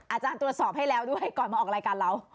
อาจารย์ตรวจสอบให้แล้วด้วยก่อนมาออกรายการเรา